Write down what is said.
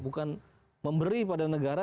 bukan memberi pada negara